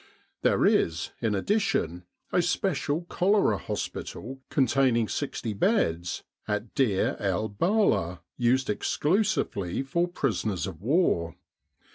There is, in addition, a special cholera hospital containing 60 beds at Deir el Belah, used exclusively for prisoners of war.